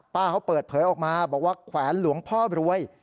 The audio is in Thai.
เขาเปิดเผยออกมาบอกว่าแขวนหลวงพ่อรวย